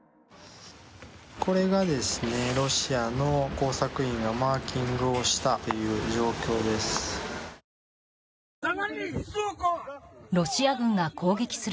これがロシアの工作員がマーキングをしたという状況です。